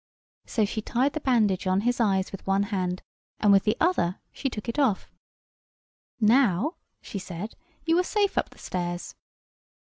So she tied the bandage on his eyes with one hand, and with the other she took it off. "Now," she said, "you are safe up the stairs."